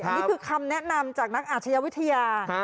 นี่คือคำแนะนำจากนักอาชญาวิทยา